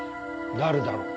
誰だろう？